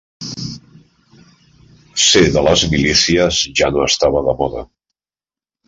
Ser de les milícies ja no estava de moda